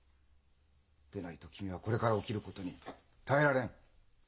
でないと君はこれから起きることに耐えられん。